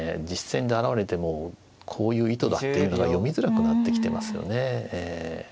実戦で現れてもこういう意図だっていうのが読みづらくなってきてますよね。